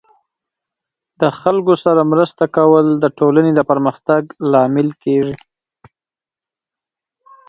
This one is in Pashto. د خلکو سره مرسته کول د ټولنې د پرمختګ لامل کیږي.